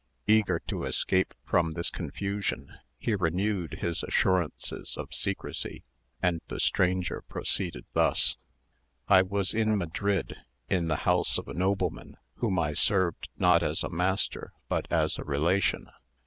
Eager to escape from this confusion, he renewed his assurances of secrecy, and the stranger proceeded thus:— "I was in Madrid, in the house of a nobleman, whom I served not as a master but as a relation.